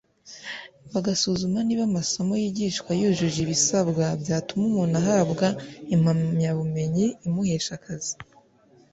bagasuzuma niba amasomo yigishwa yujuje ibisabwa byatuma umuntu ahabwa impamyabumenyi imuhesha akazi